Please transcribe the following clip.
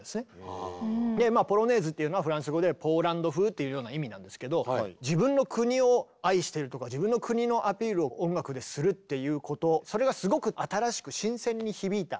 「ポロネーズ」っていうのはフランス語でポーランド風というような意味なんですけど自分の国を愛してるとか自分の国のアピールを音楽でするっていうことそれがすごく新しく新鮮に響いた。